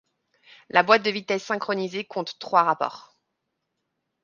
La boîte de vitesses synchronisée compte trois rapports.